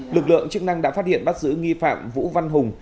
lực lượng chức năng đã phát hiện bắt giữ nghi phạm vũ văn hùng